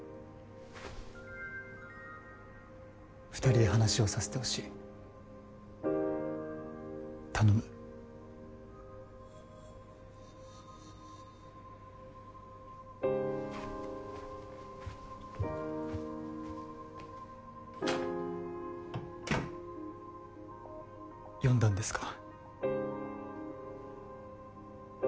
二人で話をさせてほしい頼む読んだんですか？